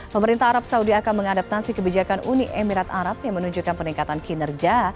pemerintah arab saudi akan mengadaptasi kebijakan uni emirat arab yang menunjukkan peningkatan kinerja